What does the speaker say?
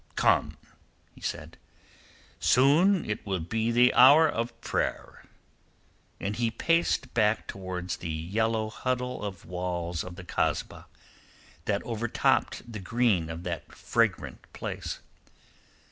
"Come!" he said. "Soon it will be the hour of prayer." And he paced back towards the yellow huddle of walls of the Kasbah that overtopped the green of that fragrant place.